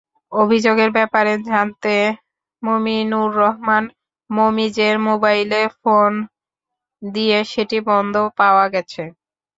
অভিযোগের ব্যাপারে জানতে মোমিনুর রহমান মোমিজের মোবাইলে ফোন দিয়ে সেটি বন্ধ পাওয়া গেছে।